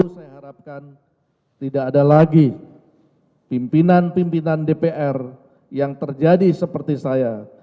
saya harapkan tidak ada lagi pimpinan pimpinan dpr yang terjadi seperti saya